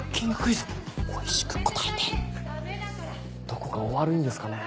どこかお悪いんですかね？